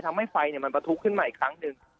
ทำให้ไฟมันประทุขึ้นมาอีกครั้งหนึ่ง